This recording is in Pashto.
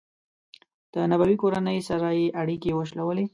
د نبوي کورنۍ سره یې اړیکې وشلولې.